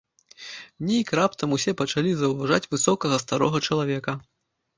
Нейк раптам усе пачалі заўважаць высокага старога чалавека.